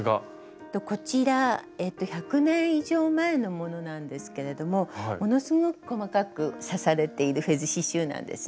こちら１００年以上前のものなんですけれどもものすごく細かく刺されているフェズ刺しゅうなんですね。